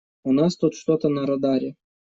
У нас тут что-то на радаре.